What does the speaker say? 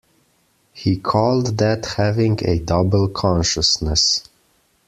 He called that having a double consciousness.